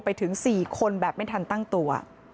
ไปถึง๔คนแบบไม่ทันตั้งตัว